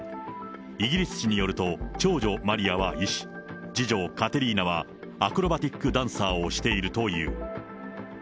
イギリス紙によると、長女、マリアは医師、次女、カテリーナはアクロバティックダンサーをしているという。